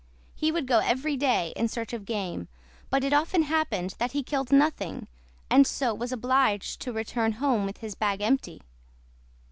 He would go every day in search of game, but it often happened that he killed nothing, and so was obliged to return home with his bag empty.